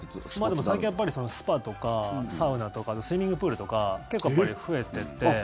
でも最近スパとかサウナとかスイミングプールとか結構、やっぱり増えてて。